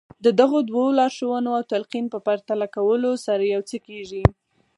د دغو دوو لارښوونو او تلقين په پرتله کولو سره يو څه کېږي.